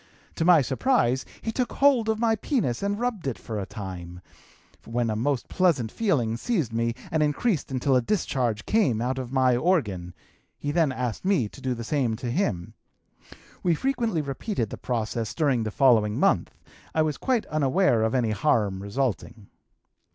To my surprise he took hold of my penis and rubbed it for a time, when a most pleasant feeling seized me and increased until a discharge came out of my organ; he then asked me to do the same to him. We frequently repeated the process during the following month; I was quite unaware of any harm resulting.